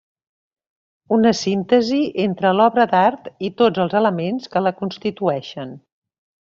Una síntesi entre l'obra d'art i tots els elements que la constitueixen.